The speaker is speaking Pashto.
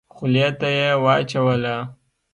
خولې ته يې واچوله.